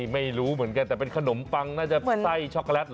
ไม่รู้เหมือนกันแต่เป็นขนมปังน่าจะไส้ช็อกโกแลต